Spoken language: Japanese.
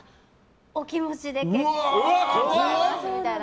お気持ちで結構ですみたいな。